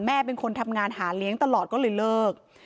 แม่เป็นคนทำงานหาเลี้ยงตลอดก็เลยเลิก